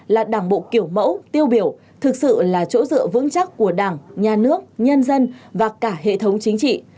là đảng bộ kiểu mẫu tiêu biểu thực sự là chỗ dựa vững chắc của đảng nhà nước nhân dân và cả hệ thống chính trị